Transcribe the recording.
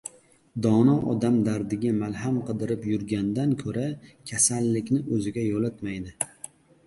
Dono odam dardiga malham qidirib yurgandan ko‘ra kasallikni o‘ziga yo‘latmaydi.